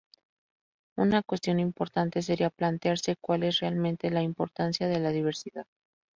Una cuestión importante sería plantearse cuál es realmente la importancia de la diversidad.